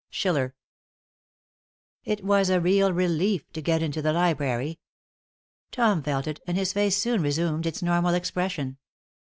SCHILLER. It was a real relief to get into the library. Tom felt it, and his face soon resumed its normal expression.